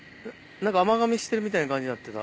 甘がみしてるみたいな感じになってた。